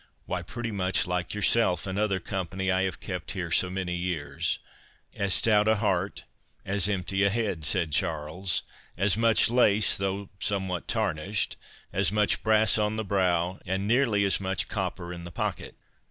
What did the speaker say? "Why, pretty much like yourself, and other company I have kept here so many years—as stout a heart, as empty a head," said Charles—"as much lace, though somewhat tarnished, as much brass on the brow, and nearly as much copper in the pocket."